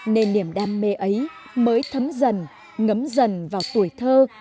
nên niềm đam mê ấy mới thấm dần ngấm dần vào tuổi thơ